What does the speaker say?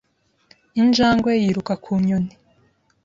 Injangwe yiruka ku nyoni